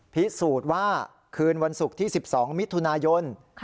พิสูจน์ว่าคืนวันศุกร์ที่๑๒มิถุนายน